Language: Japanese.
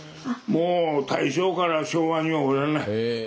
もう大正から昭和にはおらない。